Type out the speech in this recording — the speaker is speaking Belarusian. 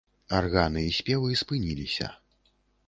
Арганы і спевы спыніліся.